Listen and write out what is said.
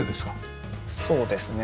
そうですね。